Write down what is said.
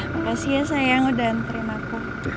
makasih ya sayang udah antrein aku